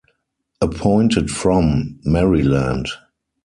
Appointed from: Maryland.